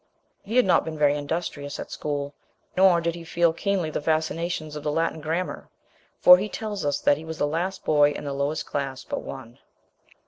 He had not been very industrious at school, nor did he feel keenly the fascinations of the Latin Grammar, for he tells us that he was the last boy in the lowest class but one.